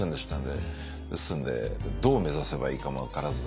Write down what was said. ですんでどう目指せばいいかも分からず。